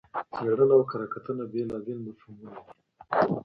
څېړنه او کره کتنه بېلابېل مفهومونه دي.